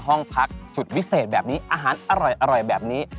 ห้องพักสุดวิเศษแบบนี้อาหารอร่อยแบบนี้